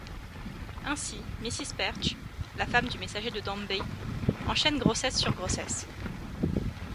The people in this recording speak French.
Ainsi, Mrs Perch, la femme du messager de Dombey, enchaîne grossesses sur grossesse.